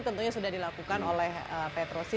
tentunya sudah dilakukan oleh petrosi